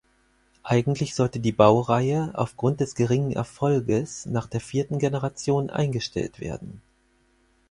Eigentlich sollte die Baureihe, aufgrund des geringen Erfolges, nach der vierten Generation eingestellt werden.